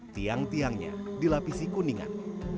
tiang tiangnya dilapisi kuningan